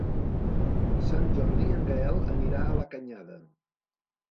Per Sant Jordi en Gaël anirà a la Canyada.